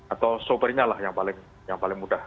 atau sopernya lah yang paling mudah